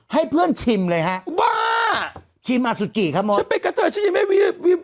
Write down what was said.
ให้เพื่อนชิมเลยฮะบ้าคิมอสุจิครับผมฉันไปกระเทยฉันยังไม่รีบ